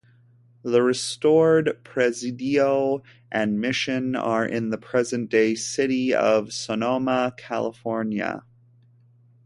The restored Presidio and mission are in the present day city of Sonoma, California.